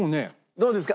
どうですか？